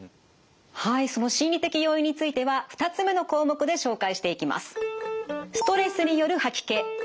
はいその心理的要因については２つ目の項目で紹介していきます。